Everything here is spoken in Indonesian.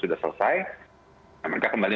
sudah selesai mereka kembali